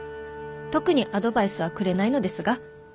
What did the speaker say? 特にアドバイスはくれないのですが」。